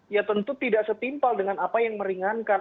ya tentu tidak setimpal dengan apa yang meringankan